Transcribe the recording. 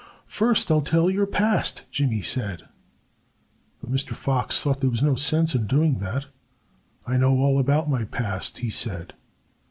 "First I'll tell your past," Jimmy said. But Mr. Fox thought there was no sense in doing that. "I know all about my past," he said.